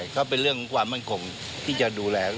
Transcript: ก็คุมเดียวที่เห็นนี่แหละ